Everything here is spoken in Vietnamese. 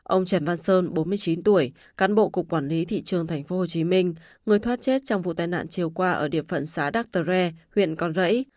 ông trần văn sơn bốn mươi chín tuổi cán bộ cục quản lý thị trường tp hcm người thoát chết trong vụ tai nạn chiều qua ở điểm phận xã đắc tơ re huyện con rẫy